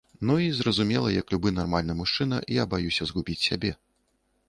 Ну і, зразумела, як любы нармальны мужчына я баюся згубіць сябе.